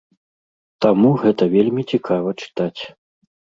Таму гэта вельмі цікава чытаць.